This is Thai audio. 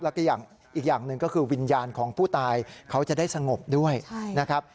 แล้วก็อีกอย่างหนึ่งก็คือวิญญาณของผู้ตายเขาจะได้สงบด้วยนะครับ